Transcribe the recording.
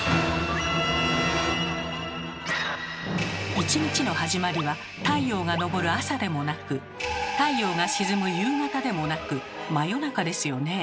１日の始まりは太陽が昇る朝でもなく太陽が沈む夕方でもなく真夜中ですよね。